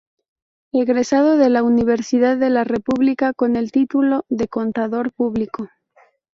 Egresado de la Universidad de la República con el título de Contador Público.